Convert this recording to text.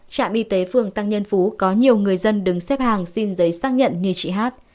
trạm y tế phường tăng nhân phú có nhiều người dân đứng xếp hàng xin giấy xác nhận như chị hát